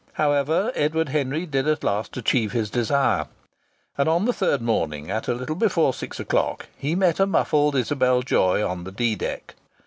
However, Edward Henry did at last achieve his desire. And on the third morning, at a little before six o'clock, he met a muffled Isabel Joy on the D deck.